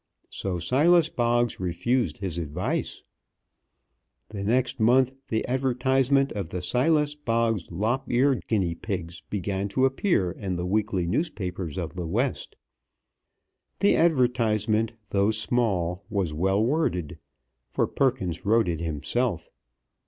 So Silas Boggs refused his advice. The next month the advertisement of the Silas Boggs Lop eared Guinea pigs began to appear in the weekly newspapers of the West. The advertisement, although small, was well worded, for Perkins wrote it himself.